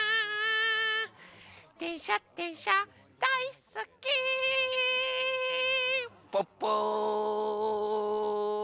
「でんしゃでんしゃだいすっき」プップー！